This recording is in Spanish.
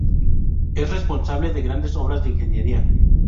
Es responsable de grandes obras de ingeniería.